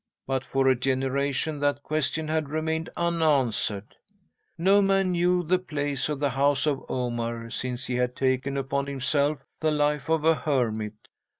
But for a generation that question had remained unanswered. No man knew the place of the house of Omar, since he had taken upon himself the life of a hermit.